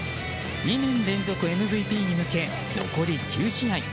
２年連続ＭＶＰに向け残り９試合。